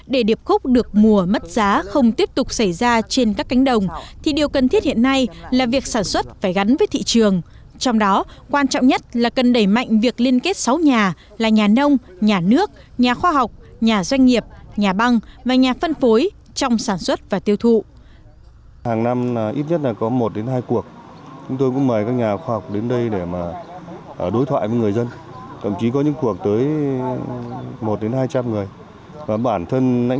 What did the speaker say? để điệp khúc được mua mất giá không tiếp tục xảy ra trên các canh sản nông dân lại tập trung mở rộng diện tích phát triển lớn là một trong những nguyên nhân khiến dư thừa nguồn cung của một số loại nông sản